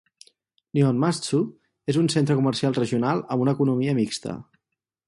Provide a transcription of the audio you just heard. Nihonmatsu és un centre comercial regional amb una economia mixta.